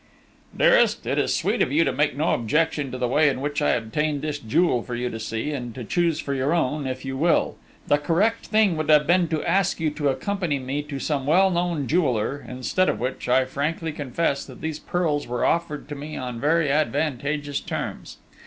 "Dearest, it is sweet of you to make no objection to the way in which I obtained this jewel for you to see, and to choose for your own, if you will.... The correct thing would have been to ask you to accompany me to some well known jeweller, instead of which, I frankly confess, that these pearls were offered to me on very advantageous terms.